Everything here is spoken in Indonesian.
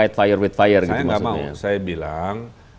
with fire gitu maksudnya saya nggak mau saya bilang